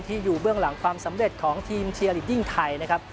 อยู่เบื้องหลังความสำเร็จของทีมเชียร์ลีดดิ้งไทยนะครับ